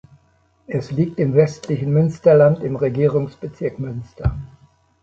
Es liegt im westlichen Münsterland im Regierungsbezirk Münster.